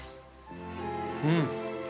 うん。